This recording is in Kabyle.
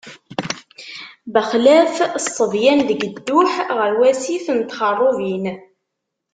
Bexlaf ṣṣebyan deg dduḥ, ɣer wasif n Txerrubin.